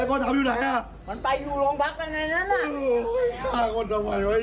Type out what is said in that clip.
โอ้โห